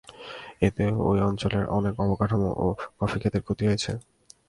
এতে ওই অঞ্চলের অনেক অবকাঠামো ও কফিখেতের ক্ষতি হয়েছে।